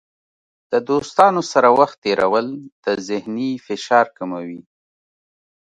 د دوستانو سره وخت تیرول د ذهني فشار کموي.